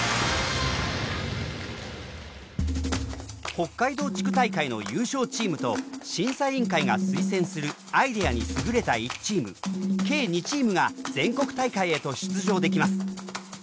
北海道地区大会の優勝チームと審査員会が推薦するアイデアに優れた１チーム計２チームが全国大会へと出場できます。